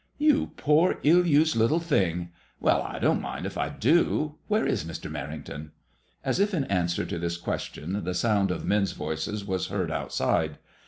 " You poor, ill used little thing ! Well, I don't mind if I da Where is Mr. Memngton?" As if in answer to this ques tion, the sound of men's voices was heard outside.